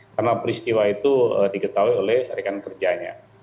karena peristiwa itu diketahui oleh rekan kerjanya